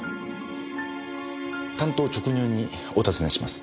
単刀直入にお尋ねします。